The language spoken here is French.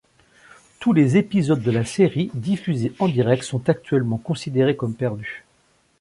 Tous les épisodes de la série, diffusés en direct, sont actuellement considérés comme perdus.